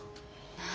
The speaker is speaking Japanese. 何？